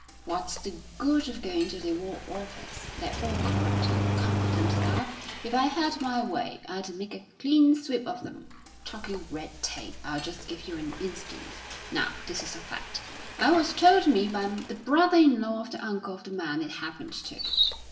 "What's the good of going to the War Office? They're all corrupt and incompetent there. If I had my way, I'd make a clean sweep of them. Talking of red tape, I'll just give you an instance. Now, this is a fact. It was told me by the brother in law of the uncle of the man it happened to."